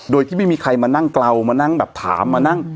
โดยที่ไม่มีใครมานั่งเกลามานั่งแบบถามมานั่ง